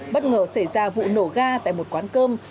bất ngờ xảy ra vụ nổ ga tại một quán cơm